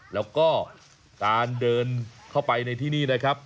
แล้วก็การเดินเข้าไปในที่นี่นะครับ